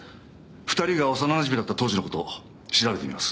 ２人が幼なじみだった当時の事調べてみます。